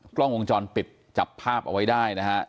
กล้องวงจรปิดจับภาพเอาไว้ได้นะฮะ